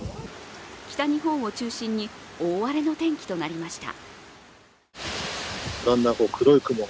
北日本を中心に大荒れの天気となりました。